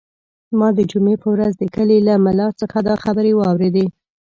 ما د جمعې په ورځ د کلي له ملا څخه دا خبرې واورېدې.